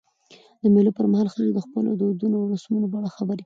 د مېلو پر مهال خلک د خپلو دودونو او رسمونو په اړه خبري کوي.